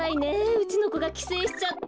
うちのこがきせいしちゃって。